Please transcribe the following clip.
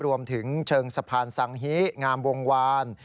รวมถึงเชิงสะพานสังฮิงามวงวาน